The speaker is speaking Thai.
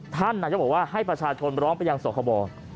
ท่านนายกบอกว่าให้ประชาชนร้องไปยังสคบ